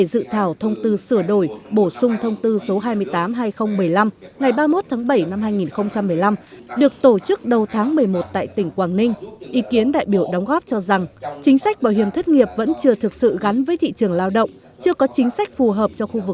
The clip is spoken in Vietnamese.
sự thảo thông tư hai mươi tám chúng tôi thấy có sự tiến bộ rất nhiều so với thông tư hai mươi tám cũ